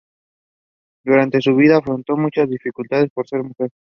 Durante su vida, afrontó muchas dificultades por ser mujer.